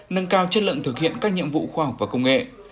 nâng cao chất lượng thực hiện các nhiệm vụ khoa học và công nghệ